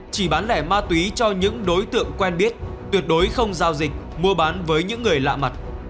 chỉ bán lẻ ma túy cho những đối tượng quen biết tuyệt đối không giao dịch mua bán với những người lạ mặt